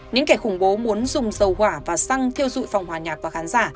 những kẻ khủng bố muốn dùng dầu hỏa và xăng thiêu dụi phòng hòa nhạc và khán giả